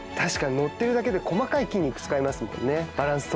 乗っているだけで細かい筋肉を使いますもんね。